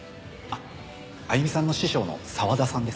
あゆみさんの師匠の澤田さんです。